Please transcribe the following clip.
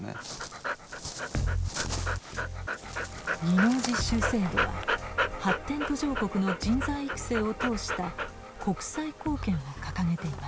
技能実習制度は発展途上国の人材育成を通した「国際貢献」を掲げています。